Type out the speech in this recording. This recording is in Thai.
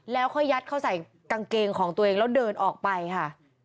แล้วค่อยยัดเข้าใส่กางเกงของตัวเองแล้วเดินออกไปค่ะ